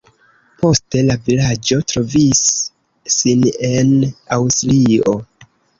Poste la vilaĝo trovis sin en Aŭstrio.